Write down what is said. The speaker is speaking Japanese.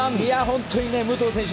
本当に武藤選手